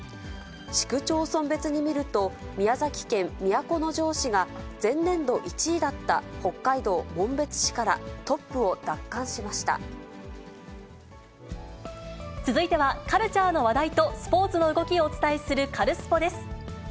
市区町村別に見ると宮崎県都城市が前年度１位だった北海道紋別市続いてはカルチャーの話題とスポーツの動きをお伝えする、カルスポっ！です。